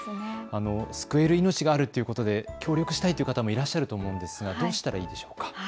救える命があるということで協力したいという方もいらっしゃると思うんですがどうしたらいいでしょうか。